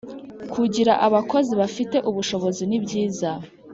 Kugira abakozi bafite ubushobozi nibyiza